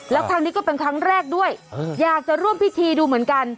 แล้วครั้งนี้ก็เป็นครั้งแรกด้วยอยากจะร่วมพิธีดูเหมือนกัน